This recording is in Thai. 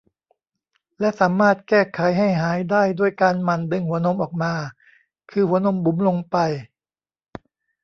และสามารถแก้ไขให้หายได้ด้วยการหมั่นดึงหัวนมออกมา คือหัวนมบุ๋มลงไป